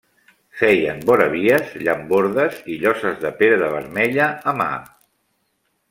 Feien voravies, llambordes i lloses de pedra vermella a mà.